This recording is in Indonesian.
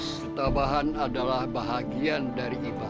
setabahan adalah bahagian dari ibadah